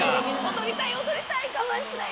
「踊りたい！踊りたい！